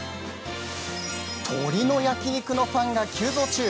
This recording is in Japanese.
鶏の焼き肉のファンが急増中。